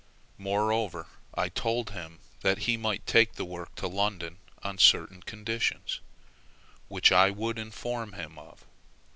Moreover, I told him that he might take the work to London on certain conditions, which I would inform him of.